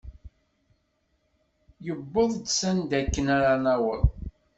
Yewweḍ s anda akken ara naweḍ.